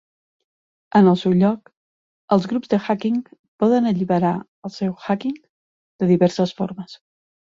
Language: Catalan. En el seu lloc, els grups de "hacking" poden alliberar el seu "hacking" de diverses formes.